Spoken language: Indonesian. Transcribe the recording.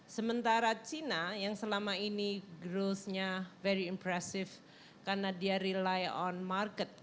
sementara china yang selama ini growth nya very impressive karena dia rely on market